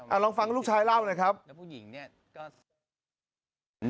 โอ้โหลองฟังลูกชายเล่าหน่อยครับ